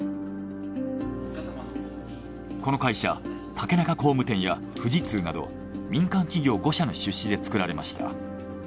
この会社竹中工務店や富士通など民間企業５社の出資で作られました。